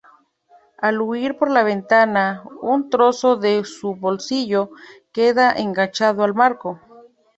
Al huir por la ventana, un trozo de su bolsillo queda enganchado al marco.